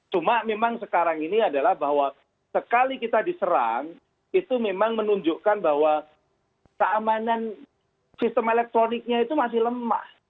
cuma memang sekarang ini adalah bahwa sekali kita diserang itu memang menunjukkan bahwa keamanan sistem elektroniknya itu masih lemah